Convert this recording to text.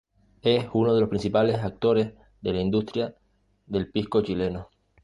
Es uno de los principales actores de la industria del pisco chileno.